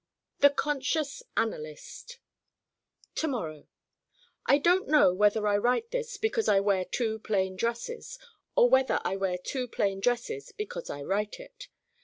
The conscious analyst To morrow I don't know whether I write this because I wear two plain dresses or whether I wear two plain dresses because I write it.